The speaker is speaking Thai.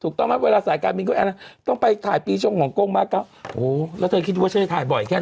ก็เคยขออยากมีผัวนั้นเลยแต่ก็ไม่เห็นจะเคยมีแล้ว